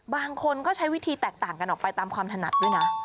บางคนก็ใช้วิธีแตกต่างกันออกไปตามความถนัดด้วยนะ